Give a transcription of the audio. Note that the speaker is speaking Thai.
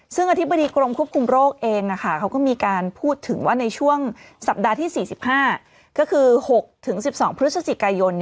ซึ่งอธิบดีกรมควบคุมโรคเองเขาก็มีการพูดถึงว่าในช่วงสัปดาห์ที่๔๕ก็คือ๖๑๒พฤศจิกายน